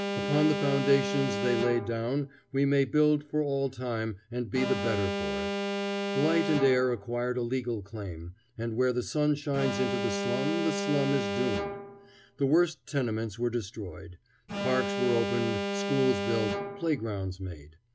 Upon the foundations they laid down we may build for all time and be the better for it. Light and air acquired a legal claim, and where the sun shines into the slum, the slum is doomed. The worst tenements were destroyed; parks were opened, schools built, playgrounds made.